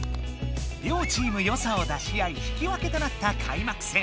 りょうチームよさを出し合い引き分けとなったかいまく戦。